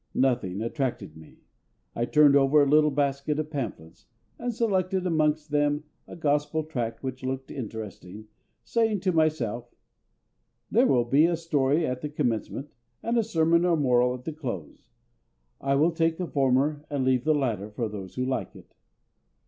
Nothing attracting me, I turned over a little basket of pamphlets, and selected from amongst them a Gospel tract which looked interesting, saying to myself, "There will be a story at the commencement, and a sermon or moral at the close: I will take the former and leave the latter for those who like it."